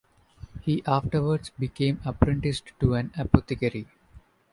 He afterwards became apprenticed to an apothecary.